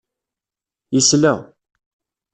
Yesla.